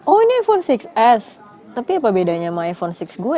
oh ini phone enam s tapi apa bedanya sama iphone enam gue